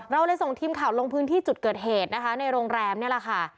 เราเลยส่งทีมข่าวลงพื้นที่จุดเกิดเหตุนะคะในโรงแรมนี่แหละค่ะ